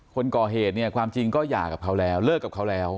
คนก่อเหตุเนี่ยความจริงก็หย่ากับเขาแล้วเลิกกับเขาแล้ว